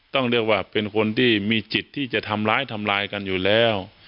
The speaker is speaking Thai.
ต้องเรียกว่าเป็นคนที่มีจิตที่จะทำร้ายทำลายกันอยู่แล้ว